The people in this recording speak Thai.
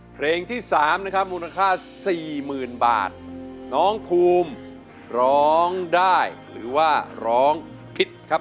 เพลงที่๓นะครับมูลค่า๔๐๐๐๐บาทน้องพูมร้องได้หรือว่าร้องผิดครับ